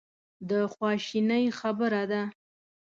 د خواشینۍ خبره ده.